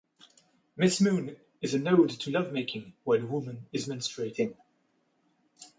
"Miss Moon" is an ode to lovemaking while a woman is menstruating.